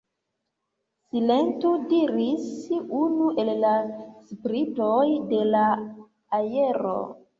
Silentu, diris unu el la spiritoj de la aero.